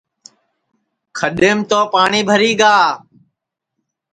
کھڈؔیم تو پاٹؔی بھری گا